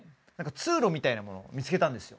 通路みたいなもの見つけたんですよ